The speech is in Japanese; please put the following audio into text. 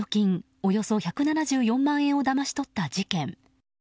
およそ１７４万円をだまし取った事件。